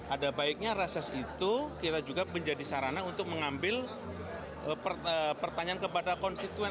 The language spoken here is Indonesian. ada baiknya reses itu kita juga menjadi sarana untuk mengambil pertanyaan kepada konstituen